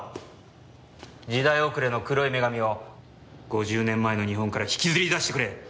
時代遅れの黒い女神を５０年前の日本から引きずり出してくれ！